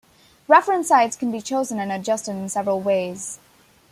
Reference sites can be chosen and adjusted several ways.